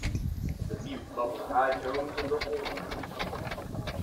The mute muffled the high tones of the horn.